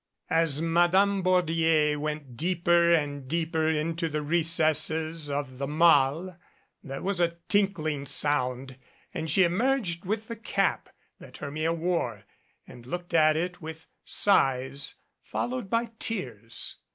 As Madame Bordier went deeper and deeper into the re cesses of the matte there was a tinkling sound and she emerged with the cap that Hermia wore and looked at it with sighs followed by tears.